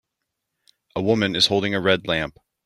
A woman is holding a red lamp.